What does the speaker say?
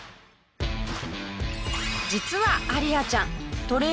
実はアリアちゃんゴー！